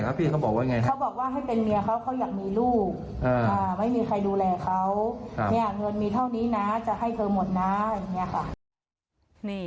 เท่านี้นะจะให้มันหมดนะ